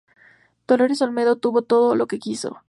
Dolores Olmedo tuvo todo lo que quiso.